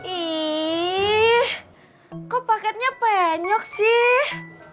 ih kok paketnya penyok sih